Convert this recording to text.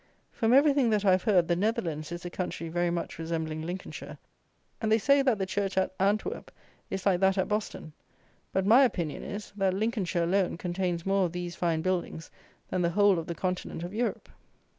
From everything that I have heard, the Netherlands is a country very much resembling Lincolnshire; and they say that the church at Antwerp is like that at Boston; but my opinion is, that Lincolnshire alone contains more of these fine buildings than the whole of the continent of Europe.